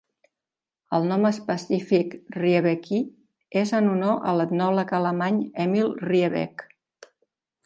El nom específic, "riebeckii", és en honor a l'etnòleg alemany Emil Riebeck.